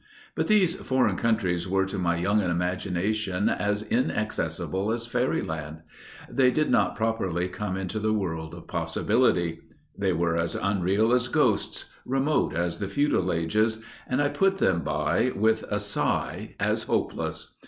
But these foreign countries were, to my young imagination, as inaccessible as Fairyland; they did not properly come into the world of possibility. They were as unreal as ghosts, remote as the Feudal Ages, and I put them by with a sigh as hopeless.